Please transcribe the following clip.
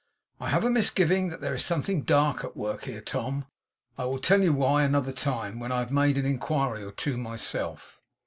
I have a misgiving that there is something dark at work here, Tom. I will tell you why, at another time; when I have made an inquiry or two myself.